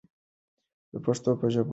د پښتو په ژبه یې ورسوو.